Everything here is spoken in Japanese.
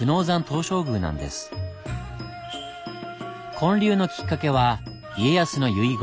建立のきっかけは家康の遺言。